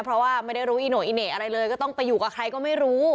เพราะว่าไม่ได้รู้อีโน่อีเหน่อะไรเลยก็ต้องไปอยู่กับใครก็ไม่รู้